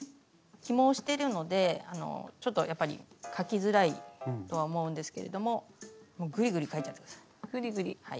起毛してるのでちょっとやっぱり描きづらいとは思うんですけれどももうぐりぐり描いちゃって下さい。